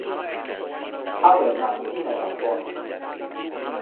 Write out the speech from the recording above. awen la sina jan pona.